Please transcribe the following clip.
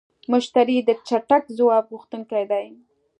مشتری د چټک ځواب غوښتونکی دی.